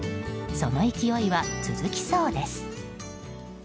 その勢いは続きそうです。